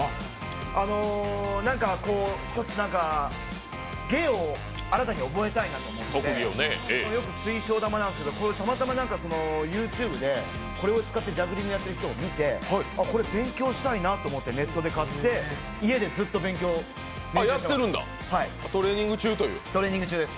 何か一つ芸を新たに覚えたいなと思って、たまたまＹｏｕＴｕｂｅでこれを使ってジャグリングをやっている人を見て、これ、勉強したいなと思ってネットで買って家でずっと勉強、トレーニング中です。